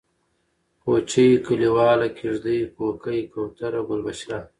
کوچۍ ، کليواله ، کيږدۍ ، کوکۍ ، کوتره ، گلبشره